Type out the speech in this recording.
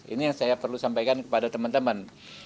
ini yang saya perlu sampaikan kepada teman teman